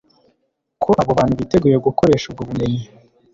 ko abo bantu biteguye gukoresha ubwo bumenyi